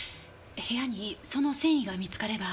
部屋にその繊維が見つかれば。